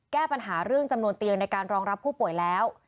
แก้ปัญหาเรื่องจำนวนเตียงในการรองรับผู้ป่วยแล้ว